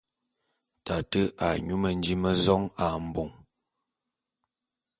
Tate a nyú mendím mé zong ā mbong.